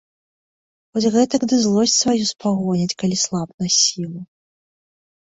Хоць гэтак ды злосць сваю спагоніць, калі слаб на сілу.